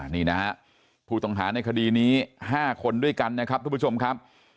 นี่นะฮะผู้ต้องหาในคดีนี้๕คนด้วยกันนะครับทุกผู้ชมครับ